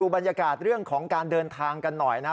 บรรยากาศเรื่องของการเดินทางกันหน่อยนะครับ